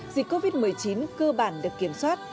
dịch covid một mươi chín cơ bản được kiểm soát